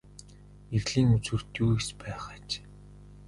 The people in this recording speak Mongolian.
Эрлийн үзүүрт юу эс байх аж.